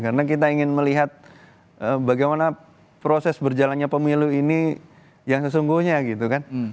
karena kita ingin melihat bagaimana proses berjalannya pemilu ini yang sesungguhnya gitu kan